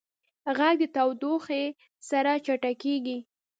غږ د تودوخې سره چټکېږي.